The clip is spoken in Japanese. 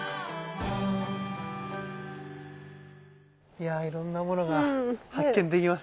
いやいろんなものが発見できますね。